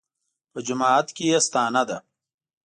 په جماعت کې یې ستانه ده.